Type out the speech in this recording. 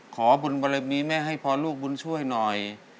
ขอบุญบรมีแม่ให้พอลูกบุญช่วยหน่อย